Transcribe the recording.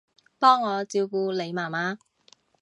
幫我照顧你媽媽